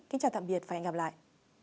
kính chào tạm biệt và hẹn gặp lại